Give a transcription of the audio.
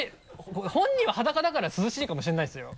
本人は裸だから涼しいかもしれないですよ。